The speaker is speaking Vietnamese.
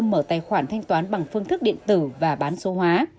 mở tài khoản thanh toán bằng phương thức điện tử và bán số hóa